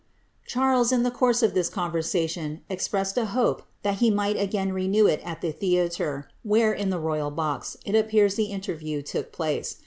Charles, in the course of this conversation, expressed a hope that he might again renew it at the theatre, where, in the royal box, it appears the interview took place.